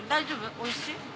おいしい？